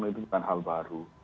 itu bukan hal baru